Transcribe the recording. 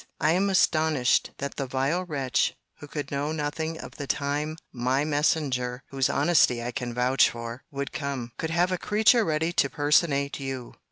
I am astonished, that the vile wretch, who could know nothing of the time my messenger, (whose honesty I can vouch for) would come, could have a creature ready to personate you!